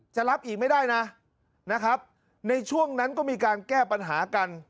จะรับอีกไม่ได้นะนะครับในช่วงนั้นก็มีการแก้ปัญหากัน